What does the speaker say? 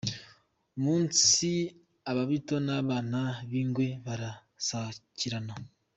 Uwo munsi Ababito n’Abana b’Ingwe barasakirana.